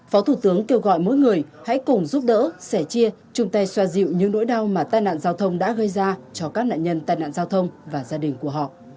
phó thủ tướng kêu gọi mỗi người hãy cùng giúp đỡ sẻ chia chung tay xoa dịu những nỗi đau mà tai nạn giao thông đã gây ra cho các nạn nhân tai nạn giao thông và gia đình của họ